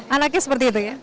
anaknya seperti itu ya